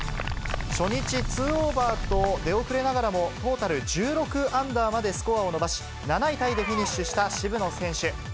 初日２オーバーと出遅れながらも、トータル１６アンダーまでスコアを伸ばし、７位タイでフィニッシュした渋野選手。